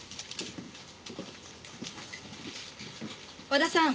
和田さん